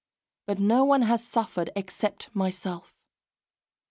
But no one has suffered except myself!